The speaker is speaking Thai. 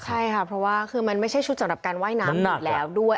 ใช่ค่ะเพราะว่าคือมันไม่ใช่ชุดสำหรับการว่ายน้ำอยู่แล้วด้วย